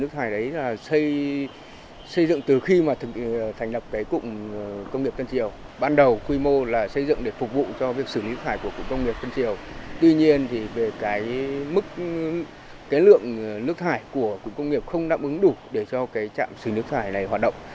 trạm xử lý nước thải của cụm công nghiệp không đáp ứng đủ để cho trạm xử lý nước thải này hoạt động